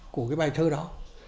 của cái bài thơ đó